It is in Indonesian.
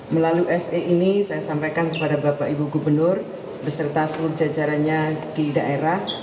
melalui se ini saya sampaikan kepada bapak ibu gubernur beserta seluruh jajarannya di daerah